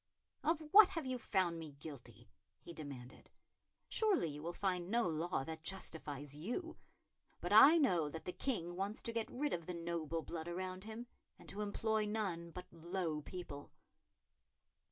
"Of what have you found me guilty?" he demanded. "Surely you will find no law that justifies you; but I know that the King wants to get rid of the noble blood around him, and to employ none but low people."